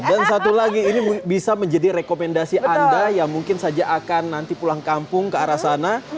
satu lagi ini bisa menjadi rekomendasi anda yang mungkin saja akan nanti pulang kampung ke arah sana